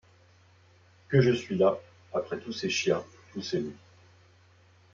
Que je suis las. Après tous ces chiens, tous ces loups